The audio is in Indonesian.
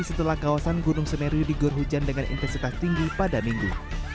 setelah kawasan gunung semeru digor hujan dengan intensitas tinggi pada minggu